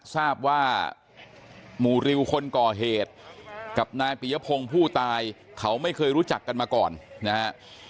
ทราบว่าหมู่ริวคนก่อเหตุกับนายปียพงศ์ผู้ตายเขาไม่เคยรู้จักกันมาก่อนนะฮะ